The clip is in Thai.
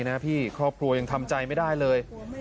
นะพี่ครอบครัวยังทำใจไม่ได้เลย